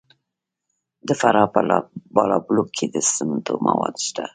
د فراه په بالابلوک کې د سمنټو مواد شته.